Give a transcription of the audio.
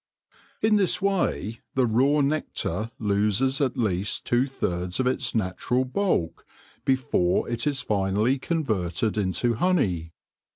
In this way the raw nectar loses at least two thirds of its natural bulk before it is finally converted into honey.